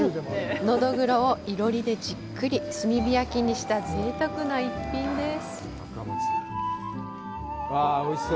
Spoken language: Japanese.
のどぐろを囲炉裏でじっくり炭火焼きにしたぜいたくな逸品です。